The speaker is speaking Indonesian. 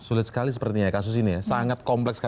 sulit sekali sepertinya ya kasus ini ya sangat kompleks